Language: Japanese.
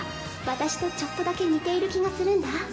私とちょっとだけ似ている気がするんだ